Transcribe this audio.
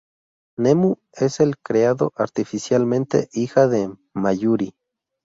Nemu es el creado artificialmente "hija" de Mayuri.